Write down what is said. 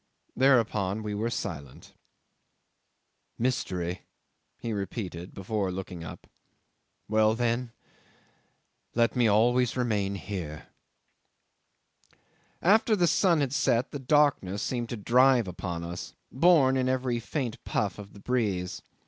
Thereupon we were silent. '"Mystery," he repeated, before looking up. "Well, then let me always remain here." 'After the sun had set, the darkness seemed to drive upon us, borne in every faint puff of the breeze.